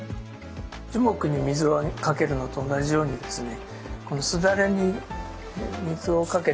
樹木に水をかけるのと同じようにですね